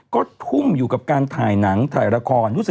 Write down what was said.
ก็ทุ่มอยู่กับการถ่ายหนังถ่ายละคร